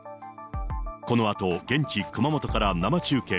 このあと現地、熊本から生中継。